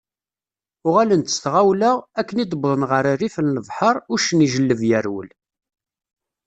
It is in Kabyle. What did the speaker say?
Uγalen-d s temγawla, akken i d-wwḍen γer rrif n lebḥeṛ, uccen ijelleb yerwel.